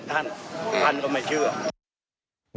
ท่านก็ไม่เชื่อ